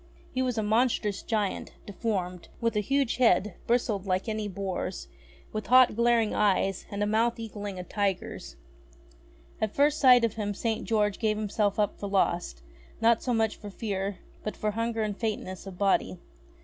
He was a monstrous giant, deformed, with a huge head, bristled like any boar's, with hot, glaring eyes and a mouth equalling a tiger's. At first sight of him St. George gave himself up for lost, not so much for fear, but for hunger and faintness of body.